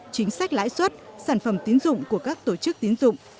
chính sách lãi xuất sản phẩm tín dụng của các tổ chức tín dụng